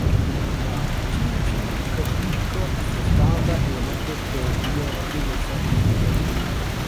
Tiu ĉi konvinko estis grava elemento de lia filozofio.